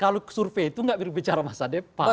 kalau survei itu nggak berbicara masa depan